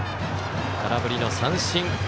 空振り三振。